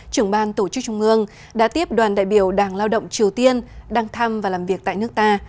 trưởng ban tổ chức trung ương đã tiếp đoàn đại biểu đảng lao động triều tiên đang thăm và làm việc tại nước ta